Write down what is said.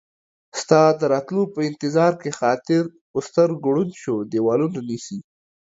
ستا د راتلو په انتظار کې خاطر ، په سترګو ړوند شو ديوالونه نيسي